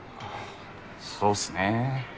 そうっすね。